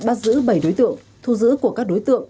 bắt giữ bảy đối tượng thu giữ của các đối tượng